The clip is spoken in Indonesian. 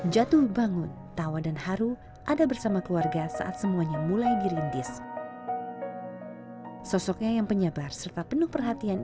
bapak itu orangnya baik penyayang perhatian